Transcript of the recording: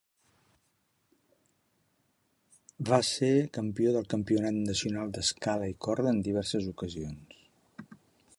Va ser campió del Campionat Nacional d'Escala i Corda en diverses ocasions.